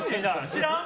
知らん？